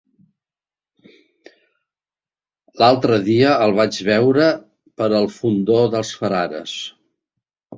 L'altre dia el vaig veure per el Fondó dels Frares.